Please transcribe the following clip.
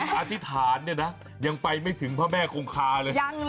อธิษฐานเนี่ยนะยังไปไม่ถึงพระแม่คงคาเลย